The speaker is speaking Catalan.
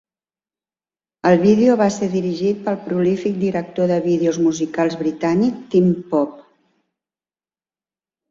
El vídeo va ser dirigit pel prolífic director de vídeos musicals britànic, Tim Pope.